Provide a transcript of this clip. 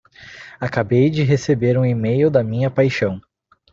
Acabei de receber um e-mail da minha paixão!